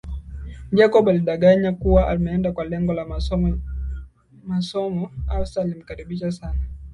Jacob alidanganya kuwa ameenda kwa lengo la masomo afisa alimkaribisha sana